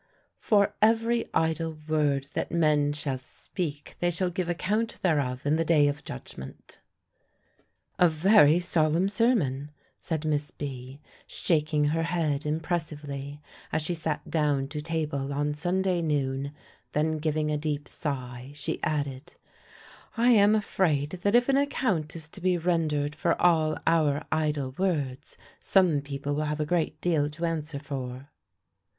"For every idle word that men shall speak, they shall give account thereof in the day of judgment." "A very solemn sermon," said Miss B., shaking her head impressively, as she sat down to table on Sunday noon; then giving a deep sigh, she added, "I am afraid that if an account is to be rendered for all our idle words, some people will have a great deal to answer for."